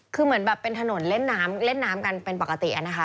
เหมือนแบบเป็นถนนเล่นน้ำกันเป็นปกติ